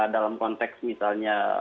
dalam konteks misalnya